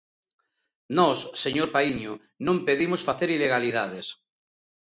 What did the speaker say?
Nós, señor Paíño, non pedimos facer ilegalidades.